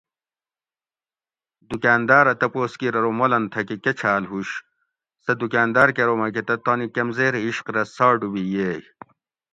دُکاۤنداۤر اۤ تپوس کِیر ارو مولن تھکہ کہۤ چھاۤل ہُوش؟ سہۤ دُکاۤنداۤر کہ ارو مکہۤ تہ تانی کمزیر عِشق رہ ساڈُوبی ییئ